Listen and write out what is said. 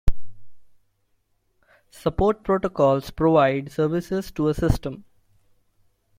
Support protocols provide services to a system.